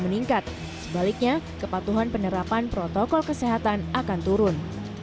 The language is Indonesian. meningkat sebaliknya kepatuhan penerapan protokol kesehatan akan turun